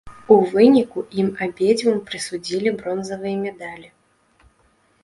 У выніку ім абедзвюм прысудзілі бронзавыя медалі.